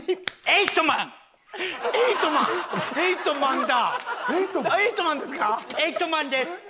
エイト・マンです！